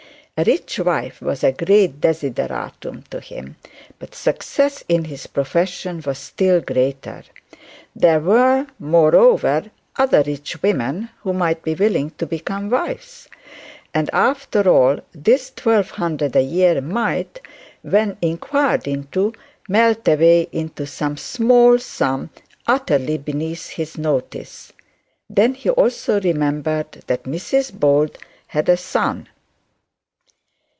A rich wife was a great desideratum to him, but success in his profession was still greater; there were, moreover, other rich women who might be willing to become wives; and after all, this twelve hundred a year might, when inquired into, melt away into some small sum utterly beneath his notice. Then also he remembered that Mrs Bold had a son.